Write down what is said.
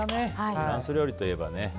フランス料理といえばね。